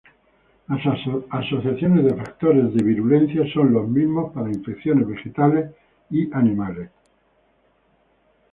Las asociaciones de factores de virulencia son los mismos para infecciones vegetales y animales.